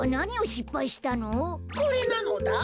これなのだ。